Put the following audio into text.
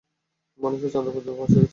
মানুষ চাঁদে পর্যন্ত পৌঁছে গেছে।